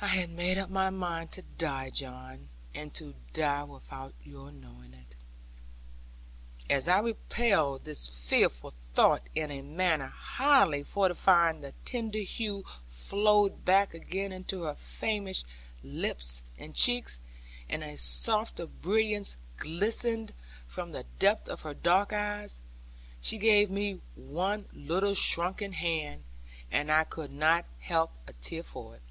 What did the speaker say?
I had made up my mind to die, John; and to die without your knowing it.' As I repelled this fearful thought in a manner highly fortifying, the tender hue flowed back again into her famished cheeks and lips, and a softer brilliance glistened from the depth of her dark eyes. She gave me one little shrunken hand, and I could not help a tear for it.